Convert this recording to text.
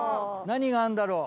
何があんだろ？